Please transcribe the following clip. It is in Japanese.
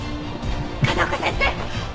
風丘先生！